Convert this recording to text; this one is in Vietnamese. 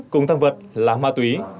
cùng thăng vật là ma túy